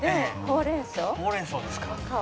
ほうれん草ですか。